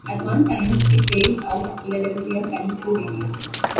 At one time she sailed out of Philadelphia, Pennsylvania.